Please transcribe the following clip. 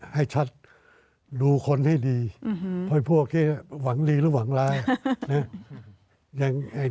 ให้ชัดดูคนให้ดีอืมพวกที่หวังดีหรือหวังลายนะเห็นไหม